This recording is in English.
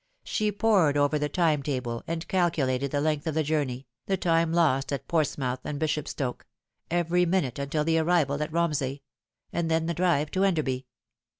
She pored over the time table, and calculated the length of the journey the time lost at Portsmouth and Bishopstoke every minute until the arrival at Romsey ; and then the drive to Enderby.